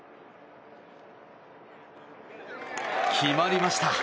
決まりました。